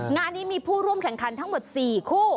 งานนี้มีผู้ร่วมแข่งขันทั้งหมด๔คู่